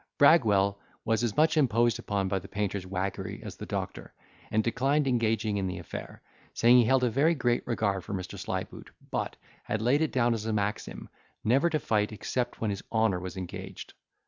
Bragwell was as much imposed upon by the painter's waggery as the doctor, and declined engaging in the affair, saying he held a very great regard for Mr. Slyboot, but had laid it down as a maxim, never to fight except when his honour was engaged.